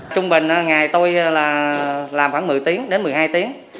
trung bình ngày tôi là làm khoảng một mươi tiếng đến một mươi hai tiếng